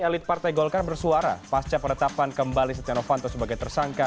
elit partai golkar bersuara pasca penetapan kembali setia novanto sebagai tersangka